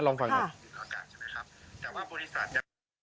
ลองฟังหน่อยหน่อย